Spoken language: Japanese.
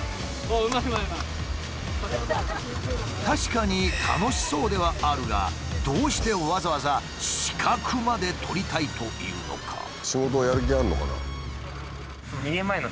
確かに楽しそうではあるがどうしてわざわざ資格まで取りたいというのか？